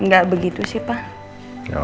gak begitu sih pak